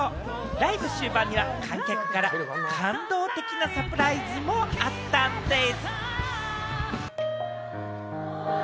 ライブ終盤には観客から感動的なサプライズもあったんでぃす。